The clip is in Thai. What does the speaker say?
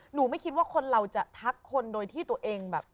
ไม่คิดว่าคนเราจะทักคนโดยที่ตัวเองแบบ